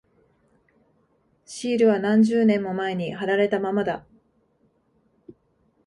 シールは何十年も前に貼られたままだ。